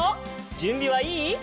じゅんびはいい？